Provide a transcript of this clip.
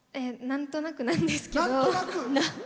なんとなくなんですけど。